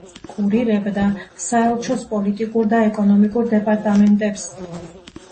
კურირებდა საელჩოს პოლიტიკურ და ეკონომიკურ დეპარტამენტებს.